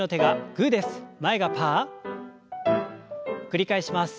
繰り返します。